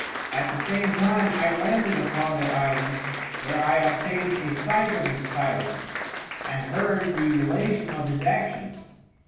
At the same time I landed upon that Island, where I obtained a sight of this Tyrant, and heard the Relation of his Actions.